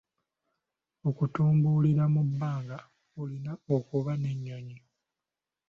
Okutambulira mu bbanga olina okuba n'ennyonyi.